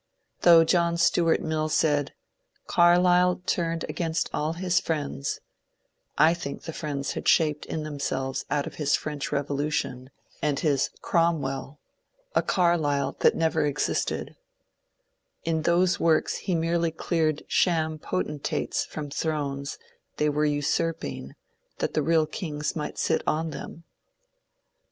Though John Stuart Mill said, *^ Carlyle turned against all his friends," I think the friends had shaped in themselves out of his ^' French Revolution " and his ^^ Cromwell " a Carlyle VOL. n 114 MONCURE DANIEL CONWAY that never existed; in those works he merely cleared sham potentates from thrones they were usurping that the real kings might sit on them.